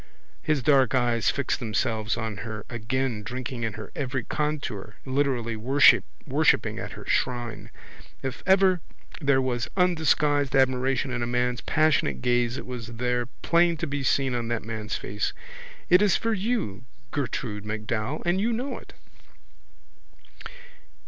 His dark eyes fixed themselves on her again drinking in her every contour, literally worshipping at her shrine. If ever there was undisguised admiration in a man's passionate gaze it was there plain to be seen on that man's face. It is for you, Gertrude MacDowell, and you know it.